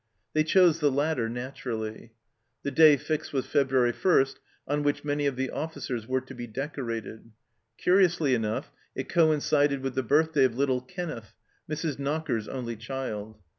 They chose the latter, naturally. The day fixed was February 1, on which many of the officers were to be decorated ; curiously enough, it coincided with the birthday of little Kenneth, Mrs. Knocker's only child.